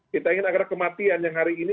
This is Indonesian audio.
kita ingin agar kematian yang hari ini